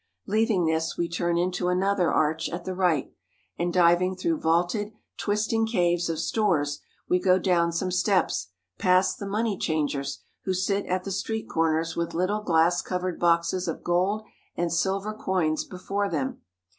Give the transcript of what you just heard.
Leaving this, we turn into another arch at the right, and diving through vaulted, twisting caves of stores, we go down some steps, past the money changers, who sit at the street corners with little glass covered boxes of gold and silver coins before them.